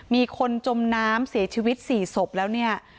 มีคนจมน้ำเสียชีวิต๔ศพแล้วเนี่ย